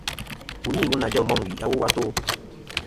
Wu ni wu nà jel môm wì awo a tô.